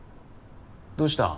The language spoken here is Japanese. どうした？